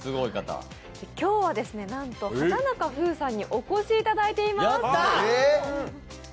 今日はなんと、畑中ふうさんにお越しいただいています。